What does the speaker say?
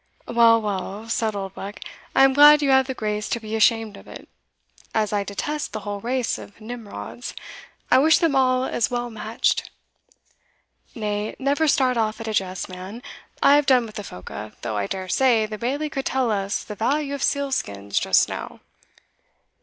"Well, well," said Oldbuck, "I am glad you have the grace to be ashamed of it as I detest the whole race of Nimrods, I wish them all as well matched. Nay, never start off at a jest, man I have done with the phoca though, I dare say, the Bailie could tell us the value of seal skins just now."